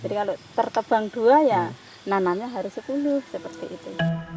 jadi kalau terkebang dua ya nananya harus sepuluh seperti itu